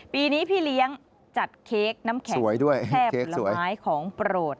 ปีนี้พี่เลี้ยงจัดเค้กน้ำแข็งด้วยแค่ผลไม้ของโปรด